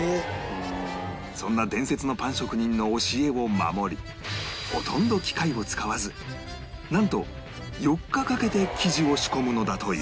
そんな伝説のパン職人の教えを守りほとんど機械を使わずなんと４日かけて生地を仕込むのだという